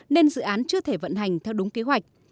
nên dự án chưa thể vận hành theo đúng kế hoạch